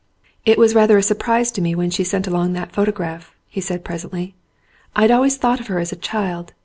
"It was rather a surprise to me when she sent along that photograph," he said presently. "I'd always thought of her as a child.